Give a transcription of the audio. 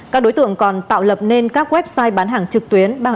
các đối tượng còn tạo lập nên các website bán hàng trực tuyến